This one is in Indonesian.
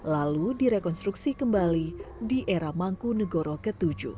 lalu direkonstruksi kembali di era mangku negoro ke tujuh